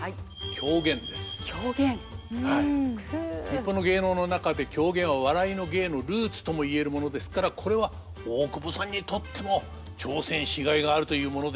日本の芸能の中で狂言は「笑いの芸」のルーツともいえるものですからこれは大久保さんにとっても挑戦しがいがあるというものです。